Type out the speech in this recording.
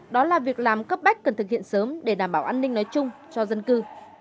đó là việc làm cấp bách cần thực hiện sớm để đảm bảo an ninh nói chung cho dân cư